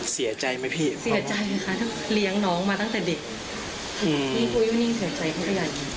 เสียใจไหมพี่เสียใจเลยค่ะเรียงน้องมาตั้งแต่เด็กมีครูยุนิงเสียใจก็ได้